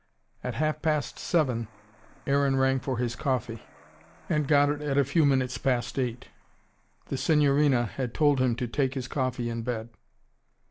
At half past seven Aaron rang for his coffee: and got it at a few minutes past eight. The signorina had told him to take his coffee in bed.